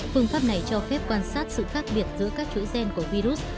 phương pháp này cho phép quan sát sự khác biệt giữa các chuỗi gen của virus